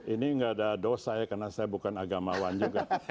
ini nggak ada dosa ya karena saya bukan agamawan juga